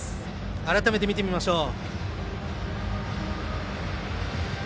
改めて見てみましょう。